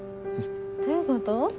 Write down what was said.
どういうこと？